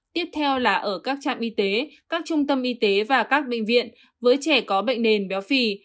tiếp theo là ở các trạm y tế các trung tâm y tế và các bệnh viện với trẻ có bệnh nền béo phì